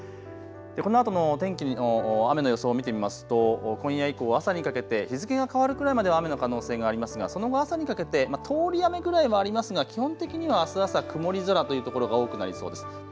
このあとの天気、雨の予想を見てみますと今夜以降、朝にかけて日付が変わるぐらいまで雨の可能性がありますがその後、朝にかけて通り雨くらいはありますが基本的にはあす朝曇り空というところが多くなりそうです。